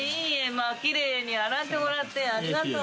まぁきれいに洗ってもらってありがとう。